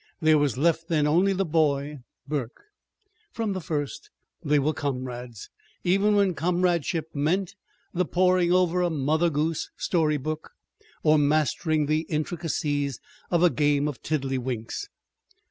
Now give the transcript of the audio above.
There was left then only the boy, Burke. From the first they were comrades, even when comradeship meant the poring over a Mother Goose story book, or mastering the intricacies of a game of tiddledywinks.